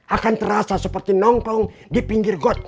akan terasa seperti nongkrong di pinggir got